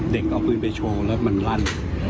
เอาปืนไปโชว์แล้วมันลั่น